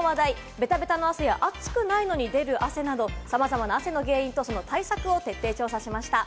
ベタベタの汗や暑くないのに出る汗など、さまざまな汗の原因と対策を徹底調査しました。